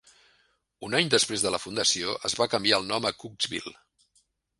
Un any després de la fundació, es va canviar el nom a Cooksville.